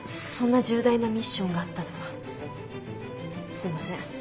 そんな重大なミッションがあったとはすみません。